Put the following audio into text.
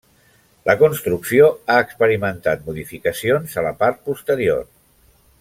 La construcció ha experimentat modificacions a la part posterior.